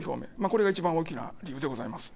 これが一番大きな理由でございます。